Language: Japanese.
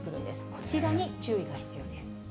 こちらに注意が必要です。